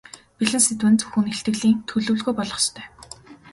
Бэлэн сэдэв нь зөвхөн илтгэлийн төлөвлөгөө болох ёстой.